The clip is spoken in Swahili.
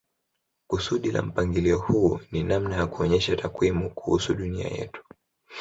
Kusudi la mpangilio huu ni namna ya kuonyesha takwimu kuhusu dunia yetu.